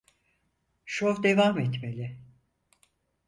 Şov devam etmeli…